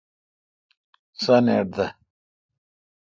سانیٹ دے۔